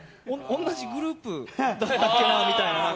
同じグループだっけなみたいな。